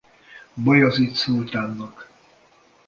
Bajazid szultánnak.